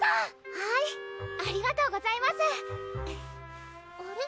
はいありがとうございますあれ？